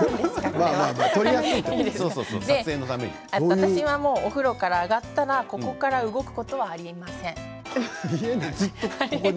私はお風呂から上がったらここから動くことありません。